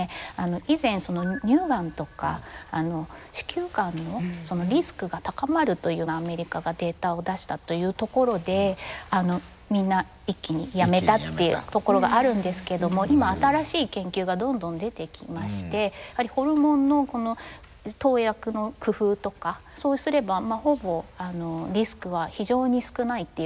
以前乳がんとか子宮がんのリスクが高まるというアメリカがデータを出したというところでみんな一気にやめたっていうところがあるんですけども今新しい研究がどんどん出てきましてホルモンの投薬の工夫とかそうすればほぼリスクは非常に少ないっていうことが分かってきたんですけど。